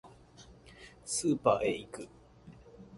スーパーへ行く